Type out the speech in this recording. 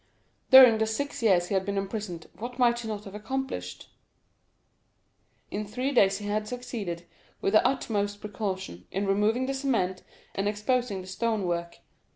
During the six years that he had been imprisoned, what might he not have accomplished? This idea imparted new energy, and in three days he had succeeded, with the utmost precaution, in removing the cement, and exposing the stone work.